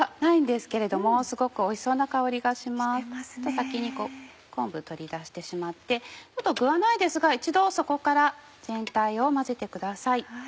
先に昆布取り出してしまって具はないですが一度底から全体を混ぜてください。